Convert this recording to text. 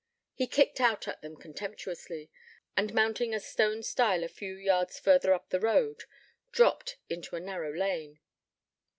He kicked out at them contemptuously, and mounting a stone stile a few yards further up the road, dropped into a narrow lane.